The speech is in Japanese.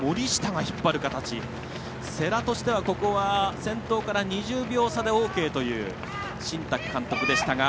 世羅としてはここは先頭から２０秒差でＯＫという新宅監督でしたが。